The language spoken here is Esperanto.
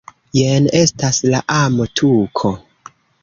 Jen estas la amo-tuko